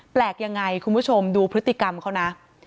แปลกยังไงคุณผู้ชมดูพฤติกรรมเขานะ